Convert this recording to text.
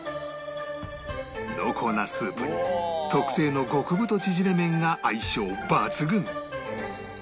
濃厚なスープに特製の極太ちぢれ麺が相性抜群